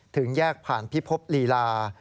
ถึงแยกผ่านพิภพลีลา